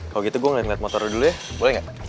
kalau gitu gue ngeliat motor dulu ya boleh nggak